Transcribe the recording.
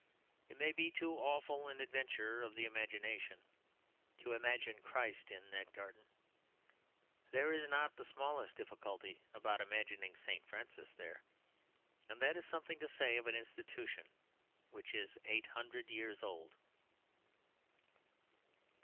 It may be too awful an adventure of the imagination to imagine Christ in that garden. But there is not the smallest difficulty about imagining St. Francis there; and that is something to say of an institution which is eight hundred years old.